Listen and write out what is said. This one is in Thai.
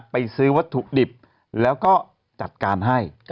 ซื้อวัตถุดิบแล้วก็จัดการให้